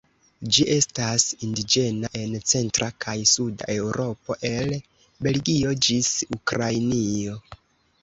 Ĝi estas indiĝena en centra kaj suda Eŭropo el Belgio ĝis Ukrainio.